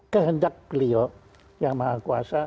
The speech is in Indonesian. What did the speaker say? kehendak beliau yang maha kuasa